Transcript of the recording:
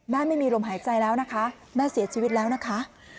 ไม่มีลมหายใจแล้วนะคะแม่เสียชีวิตแล้วนะคะ